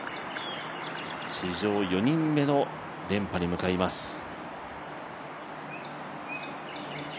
史上４人目の連覇に向かいます。